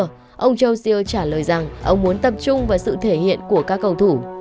sau đó ông jussier trả lời rằng ông muốn tập trung vào sự thể hiện của các cầu thủ